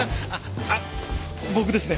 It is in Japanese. あっ僕ですね